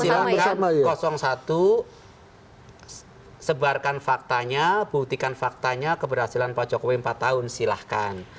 silahkan satu sebarkan faktanya buktikan faktanya keberhasilan pak jokowi empat tahun silahkan